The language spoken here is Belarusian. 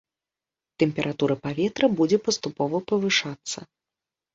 Тэмпература паветра будзе паступова павышацца.